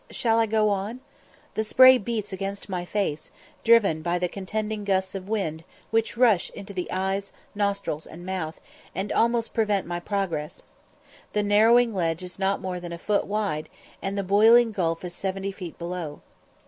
Shall I go on? The spray beats against my face, driven by the contending gusts of wind which rush into the eyes, nostrils, and mouth, and almost prevent my progress; the narrowing ledge is not more than a foot wide, and the boiling gulf is seventy feet below.